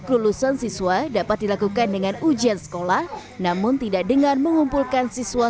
kelulusan siswa dapat dilakukan dengan ujian sekolah namun tidak dengan mengumpulkan siswa